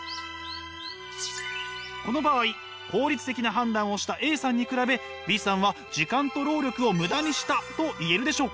この場合効率的な判断をしたＡさんに比べＢさんは時間と労力をムダにしたと言えるでしょうか？